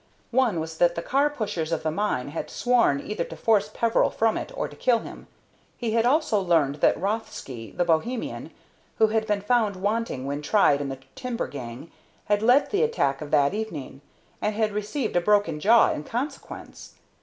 One was that the car pushers of the mine had sworn either to force Peveril from it or to kill him. He had also learned that Rothsky, the Bohemian, who had been found wanting when tried in the timber gang, had led the attack of that evening, and had received a broken jaw in consequence.